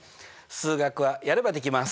数学はやればできます。